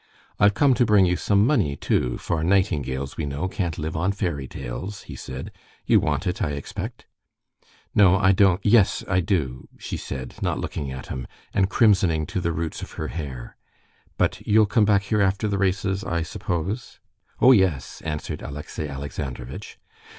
"I've come to bring you some money, too, for nightingales, we know, can't live on fairy tales," he said. "You want it, I expect?" "No, I don't ... yes, I do," she said, not looking at him, and crimsoning to the roots of her hair. "But you'll come back here after the races, I suppose?" "Oh, yes!" answered Alexey Alexandrovitch.